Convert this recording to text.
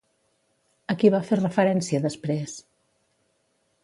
A qui va fer referència després?